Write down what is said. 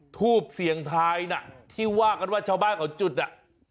ทูบเสี่ยงทายน่ะที่ว่ากันว่าชาวบ้านเขาจุดอ่ะ